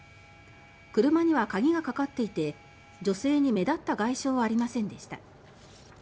車には鍵がかかっていて女性に目立った外傷はありませんでした。